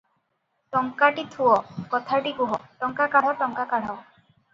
ଟଙ୍କାଟି ଥୁଅ, କଥାଟି କୁହ, ଟଙ୍କା କାଢ଼, ଟଙ୍କା କାଢ଼ ।